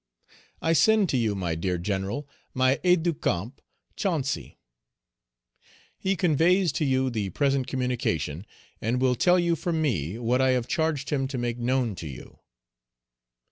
"I send to you, my dear General, my aide de camp, Chancy. Page 189 He conveys to you the present communication, and will tell you from me what I have charged him to make known to you.